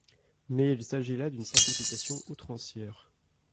Mais il s'agit là d'une simplification outrancière.